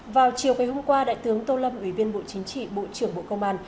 vào chiều ngày hôm qua đại tướng tô lâm ủy viên bộ chính trị bộ trưởng bộ công an